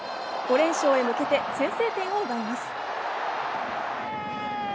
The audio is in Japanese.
５連勝へ向けて先制点を奪います。